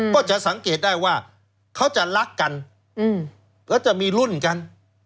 ก็จะสังเกตได้ว่าเขาจะรักกันแล้วจะมีรุ่นกัน